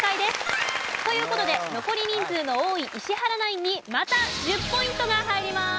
という事で残り人数の多い石原ナインにまた１０ポイントが入ります。